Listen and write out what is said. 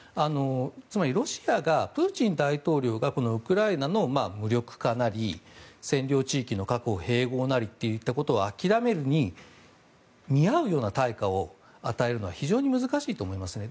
つまり、ロシアがプーチン大統領がウクライナの無力化なり占領地域の確保併合なりといったことを諦めるに見合うような対価を与えるのは非常に難しいと思いますね。